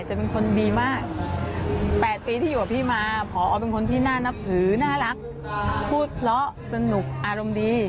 หน้านับสื่อน่ารักพูดล้อสนุกอารมณ์ดี